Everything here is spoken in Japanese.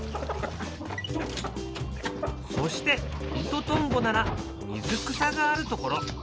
そしてイトトンボなら水草があるところ。